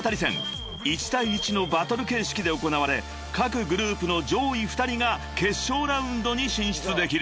［１対１のバトル形式で行われ各グループの上位２人が決勝ラウンドに進出できる］